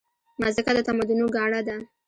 مځکه د تمدنونو ګاڼه ده.